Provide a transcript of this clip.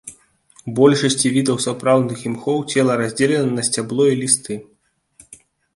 У большасці відаў сапраўдных імхоў цела раздзелена на сцябло і лісты.